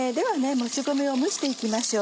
もち米を蒸して行きましょう。